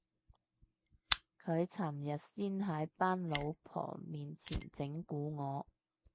佢尋日先喺班老婆面前整蠱我